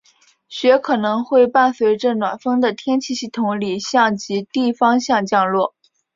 雪可能会伴随着暖锋的天气系统里向极地方向降落。